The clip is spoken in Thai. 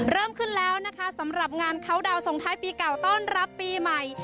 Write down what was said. เริ่มขึ้นแล้วนะคะสำหรับงานเขาดาวนส่งท้ายปีเก่าต้อนรับปีใหม่